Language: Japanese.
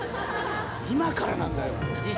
今からなんだよ。